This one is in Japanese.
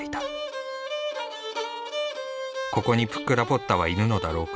ここにプックラポッタはいるのだろうか？